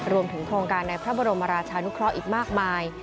รวมถึงโครงการในพระบรมราชานุเคราะห์อีกมากมาย